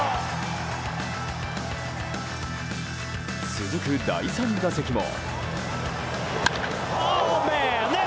続く第３打席も。